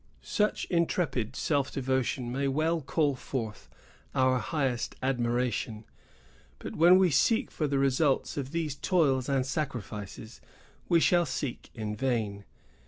Such intrepid self devotion may well call forth our highest admiration; but when we seek for the results of these toils and sacrifices, we shall seek in vain.